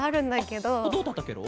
どうだったケロ？